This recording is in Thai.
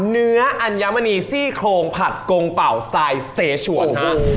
อัญมณีซี่โครงผัดกงเป่าสไตล์เซชวนฮะ